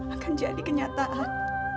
akan jadi kenyataan